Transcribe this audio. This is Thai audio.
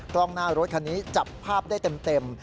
กล้องหน้ารถคันนี้จับภาพได้เต็ม